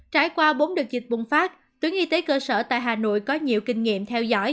trải qua bốn đợt dịch bùng phát tuyến y tế cơ sở tại hà nội có nhiều kinh nghiệm theo dõi